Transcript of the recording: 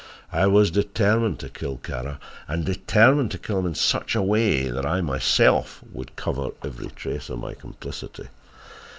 I was determined to kill Kara, and determined to kill him in such a way that I myself would cover every trace of my complicity.